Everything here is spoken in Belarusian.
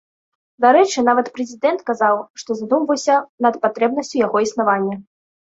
Дарэчы, нават прэзідэнт казаў, што задумваўся над патрэбнасцю яго існавання.